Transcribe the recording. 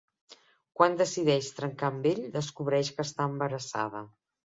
Quan decideix trencar amb ell, descobreix que està embarassada.